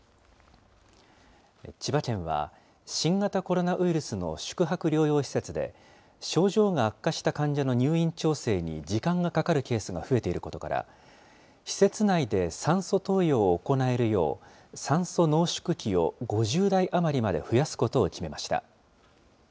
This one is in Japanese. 千葉県は、新型コロナウイルスの宿泊療養施設で、症状が悪化した患者の入院調整に時間がかかるケースが増えていることから、施設内で酸素投与を行えるよう、酸素濃縮器を５０台余りまで増やすことを決めました。